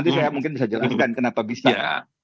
itu saya mungkin bisa jelaskan kenapa bisa